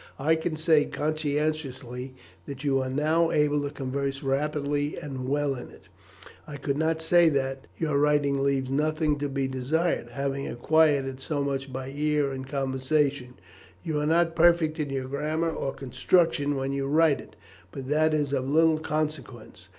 I can say conscientiously that you are now able to converse rapidly and well in it. I could not say that your writing leaves nothing to be desired. Having acquired it so much by ear and conversation, you are not perfect in your grammar or construction when you write it; but that is of little consequence.